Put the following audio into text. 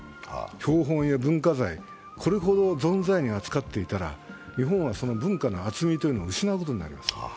標本や文化財、これほどぞんざいに扱っていたら日本は文化の厚みを失うことになります。